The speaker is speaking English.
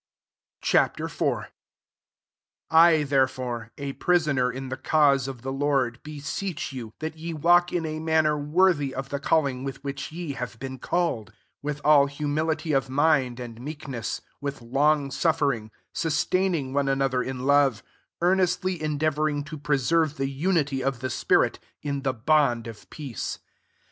Ch. IV. 1 I THEREFORE, a prisoner in the cause ^ the Lord, beseech jou, that ye walk in a manner worthy of the calling with which ye have been called; 2 with all humi lity of mind and meekness, with long suffering, sustaining one another in love ; 3 earn estly endeavouring to preserve the unity of the spirit in the bond of peace.